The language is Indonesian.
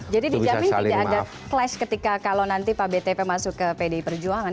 jadi dijamin tidak agak clash ketika kalau nanti pak btp masuk ke pdi perjuangan